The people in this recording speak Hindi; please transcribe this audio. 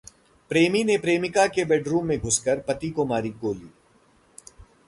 प्रेमी ने प्रेमिका के बेडरूम में घुसकर पति को मारी गोली